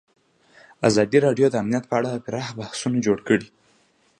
ازادي راډیو د امنیت په اړه پراخ بحثونه جوړ کړي.